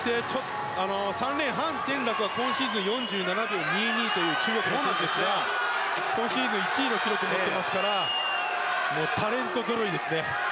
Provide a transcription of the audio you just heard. ３レーンのハン・テンラクは今シーズン４７秒２２というタイムで今シーズン１位の記録を持っていますからタレントぞろいですね。